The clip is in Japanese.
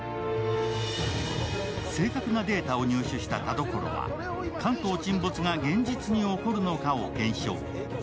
正確なデータを入手した田所は、関東沈没が現実に起こるのかを検証。